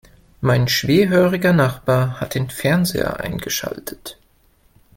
Mein schwerhöriger Nachbar hat den Fernseher eingeschaltet.